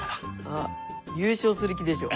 あっ優勝する気でしょ。